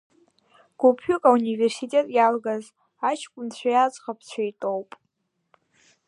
Гәыԥҩык ауниверситет иалгаз аҷкәынцәеи аӡӷабцәеи тәоуп.